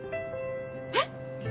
えっ？